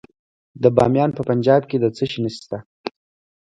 د بامیان په پنجاب کې د څه شي نښې دي؟